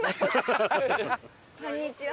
こんにちは。